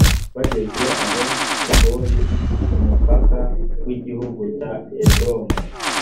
bageze aho i hori ku mupaka w’igihugu cya edomu.